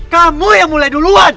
kamu yang mulai duluan